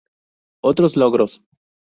Otros logros